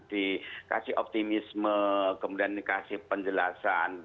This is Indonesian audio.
dikasih optimisme kemudian dikasih penjelasan